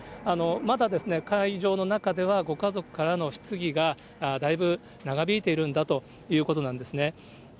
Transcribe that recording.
まだ会場の中では、ご家族からの質疑がだいぶ長引いているんだということなんですね。